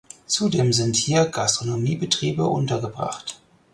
Zudem sind hier Gastronomiebetriebe untergebracht.